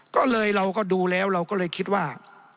ก็เลยเราก็ดูแล้วเราก็เลยคิดว่า